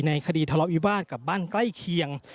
คดีทะเลาะวิวาสกับบ้านใกล้เคียง